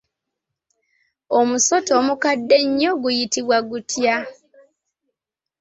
Omusota omukadde ennyo guyitibwa gutya?